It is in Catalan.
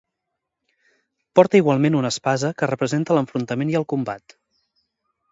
Porta igualment una espasa que representa l'enfrontament i el combat.